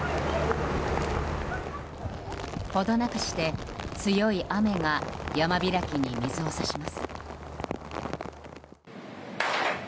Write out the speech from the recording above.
ほどなくして強い雨が山開きに水を差します。